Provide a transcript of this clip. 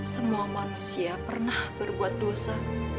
semua manusia pernah berbuat dosa